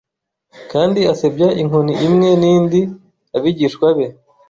Kandi asebya inkoni imwe nindi Abigishwa be